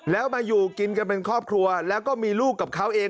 แล้วมาอยู่กินกันเป็นครอบครัวแล้วก็มีลูกกับเขาเอง